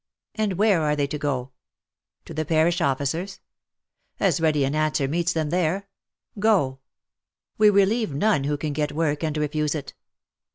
And where are they to go ? To the parish officers ? As ready an answer meets them there :" Go. We relieve none who can get work, and refuse it."